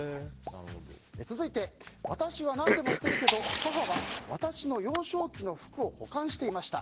続いて、私は何でも捨てるけど母は私の幼少期の服を保管していました。